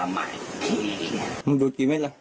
มึงดูดกี่เม็ดละ